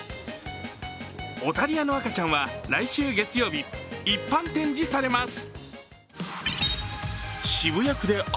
オタリアの赤ちゃんは来週月曜日、一般展示されます。